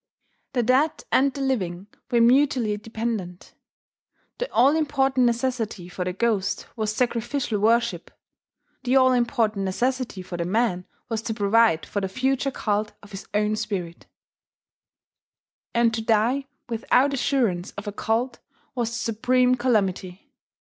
The dead and the living were mutually dependent. The all important necessity for the ghost was sacrificial worship; the all important necessity for the man was to provide for the future cult of his own spirit; and to die without assurance of a cult was the supreme calamity